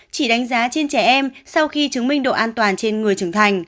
chỉ đánh giá trên trẻ em sau khi chứng minh độ an toàn trên người trưởng thành